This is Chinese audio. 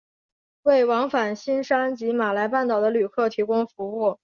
为往返新山及马来半岛的旅客提供服务。